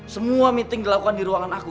semua meeting dilakukan di ruangan aku